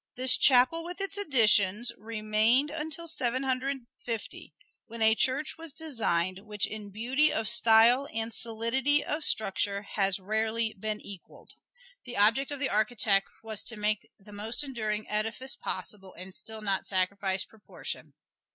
This chapel with its additions remained until Seventeen Hundred Fifty, when a church was designed which in beauty of style and solidity of structure has rarely been equaled. The object of the architect was to make the most enduring edifice possible, and still not sacrifice proportion.